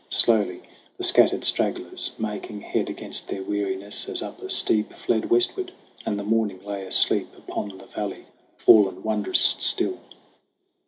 Slowly the scattered stragglers, making head Against their weariness as up a steep, Fled westward ; and the morning lay asleep Upon the valley fallen wondrous still.